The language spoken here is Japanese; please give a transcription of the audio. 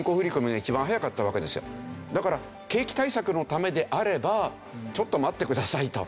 だから景気対策のためであればちょっと待ってくださいと。